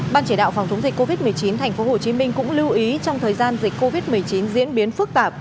ban chỉ đạo phòng chống dịch covid một mươi chín tp hcm cũng lưu ý trong thời gian dịch covid một mươi chín diễn biến phức tạp